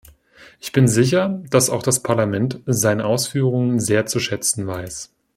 Ich bin sicher, dass auch das Parlament seine Ausführungen sehr zu schätzen weiß.